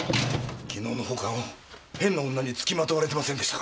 昨日の放課後変な女に付きまとわれてませんでしたか？